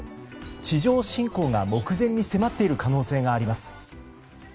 地上侵攻が目前に迫っている可能性があります。